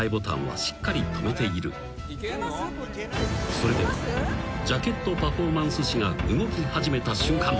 ［それではジャケットパフォーマンス史が動き始めた瞬間